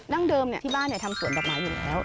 เดิมที่บ้านทำสวนดอกไม้อยู่แล้ว